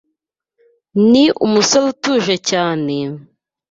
Ni umusore utuje cyane,